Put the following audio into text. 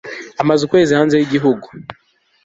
Amaze ukwezi hanze yigihugu